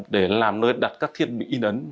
để làm nơi đặt các thiết bị y nấn